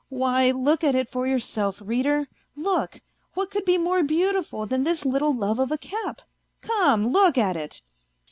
Why, look at it for yourself, reader, look, what could be more beautiful than this little love of a cap ? Come, look at it.